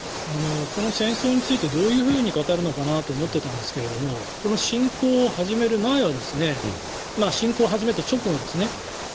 この戦争についてどういうふうに語るのかなと思ってたんですがこの侵攻を始める前は侵攻を始めた直後ですね